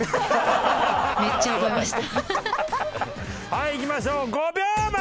はいいきましょう５秒前！